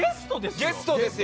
ゲストですよ。